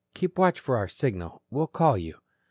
"Keep a watch for our signal. We'll call you."